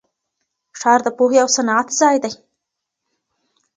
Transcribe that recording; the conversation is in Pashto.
ښار د پوهې او صنعت ځای دی.